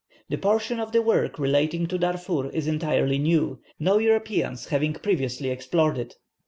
The portion of the work relating to Darfur is entirely new, no Europeans having previously explored it.